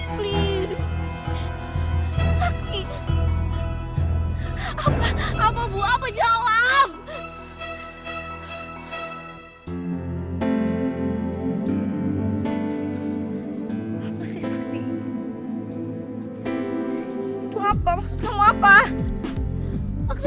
kau jangan nangis